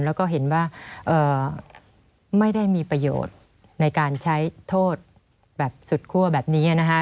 แล้วก็เห็นว่าไม่ได้มีประโยชน์ในการใช้โทษแบบสุดคั่วแบบนี้นะคะ